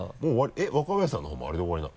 えっ若林さんのほうもあれで終わりなの？